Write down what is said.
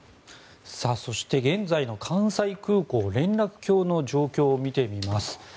そして現在の関西空港連絡橋の状況を見てみます。